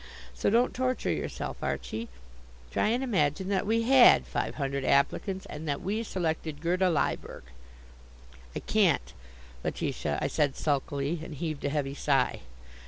So don't torture yourself, Archie. Try and imagine that we had five hundred applicants, and that we selected Gerda Lyberg." "I can't, Letitia," I said sulkily, and I heaved a heavy sigh.